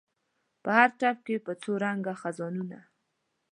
په هر ټپ کې په څو رنګه خزانونه